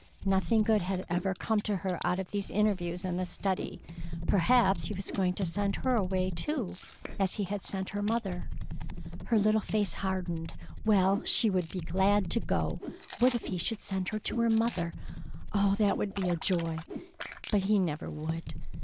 Nothing good had ever come to her out of these interviews in the study. Perhaps he was going to send her away, too, as he had sent her mother. Her little face hardened. Well, she would be glad to go. What if he should send her to her mother! Oh, that would be joy!—but he never would.